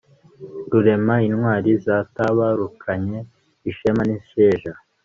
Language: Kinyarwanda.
rurema, intwari zatabarukanye ishema n'isheja